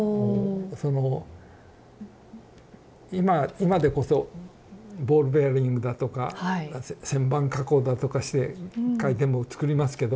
その今でこそボールベアリングだとか旋盤加工だとかして回転部をつくりますけど。